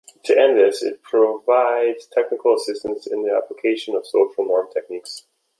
To this end, it provides technical assistance in the application of social norm techniques.